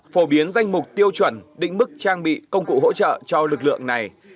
phổ biến danh mục tiêu chuẩn định mức trang bị công cụ hỗ trợ cho lực lượng này